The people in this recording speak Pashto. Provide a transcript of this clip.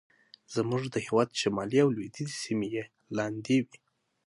زموږ د هېواد شمالي او لوېدیځې سیمې یې لاندې وې.